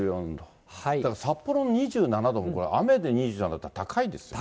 だから札幌の２７度も、雨で２７度って、高いですよね。